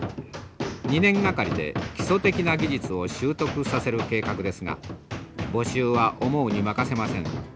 ２年がかりで基礎的な技術を習得させる計画ですが募集は思うに任せません。